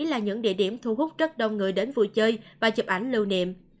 là những địa điểm thu hút rất đông người đến vui chơi và chụp ảnh lưu niệm